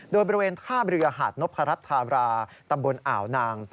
โดยบริเวณท่าเรือหาดนพรัชธาราตำบลอ่าวนาง